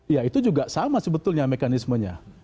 ya itu juga sama sebetulnya mekanismenya